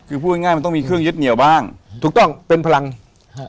คือพูดง่ายง่ายมันต้องมีเครื่องยึดเหนียวบ้างถูกต้องเป็นพลังฮะ